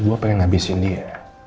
gue pengen ngabisin dia